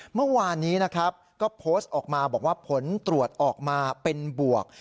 เมื่อวานนี้นะครับก็โพสต์ออกมาบอกว่าผลตรวจออกมาเป็นบวก